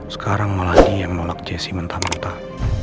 sekarang malah dia yang menolak jessy mentah mentah